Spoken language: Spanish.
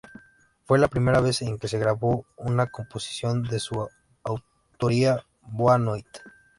Fue la primera vez en que grabó una composición de su autoría, "Boa-noite".